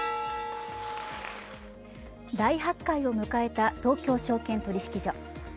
大発会を迎えた東京証券取引所。